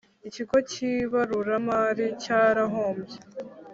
Ikigo kibarura mari cyarahombye